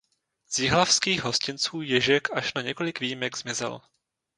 Z jihlavských hostinců Ježek až na několik výjimek zmizel.